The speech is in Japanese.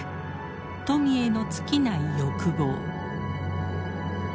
富への尽きない欲望。